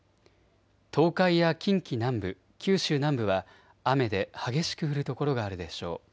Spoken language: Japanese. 東海や近畿南部、九州南部は雨で激しく降る所があるでしょう。